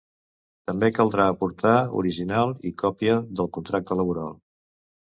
També caldrà aportar original i còpia del contracte laboral.